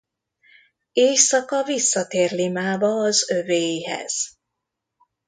Éjszaka visszatér Limába az övéihez.